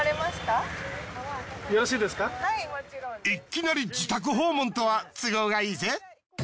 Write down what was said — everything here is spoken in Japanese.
いきなり自宅訪問とは都合がいいぜ。